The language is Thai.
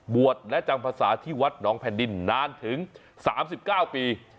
บวชและจำภาษาที่วัดหนองแผ่นดินนานถึง๓๙ปี